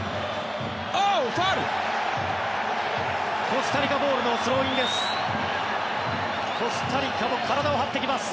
コスタリカボールのスローインです。